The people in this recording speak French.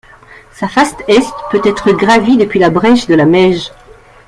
Sa face Est peut être gravie depuis la Brèche de la Meije.